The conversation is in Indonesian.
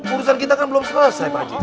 urusan kita kan belum selesai pak haji